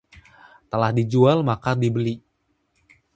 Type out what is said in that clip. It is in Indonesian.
Telah dijual maka dibeli